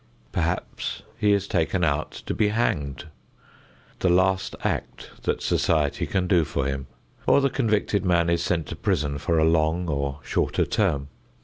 Perhaps he is taken out to be hanged the last act that society can do for him, or the convicted man is sent to prison for a long or shorter term.